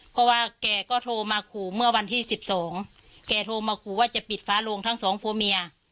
เพราะว่าแกก็โทรมาขู่เมื่อวันที่สิบสองแกโทรมาขู่ว่าจะปิดฟ้าโรงทั้งสองผัวเมีย